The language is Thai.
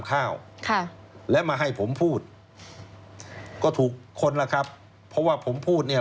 ข้าวค่ะและมาให้ผมพูดก็ถูกคนล่ะครับเพราะว่าผมพูดเนี่ย